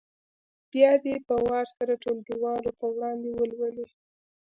بیا دې په وار سره ټولګیوالو په وړاندې ولولي.